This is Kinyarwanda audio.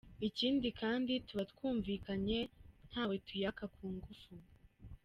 Ikindi kandi tuba twumvikanye ntawe tuyaka ku ngufu.